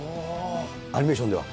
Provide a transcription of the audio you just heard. アニメーションでは。